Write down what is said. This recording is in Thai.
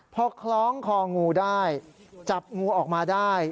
พอคล้องคองูได้จับงูออกมาได้